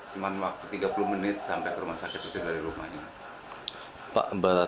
cuma waktu tiga puluh menit sampai ke rumah sakit itu dari rumahnya